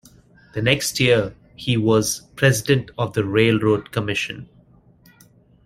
The next year he was President of the Railroad Commission.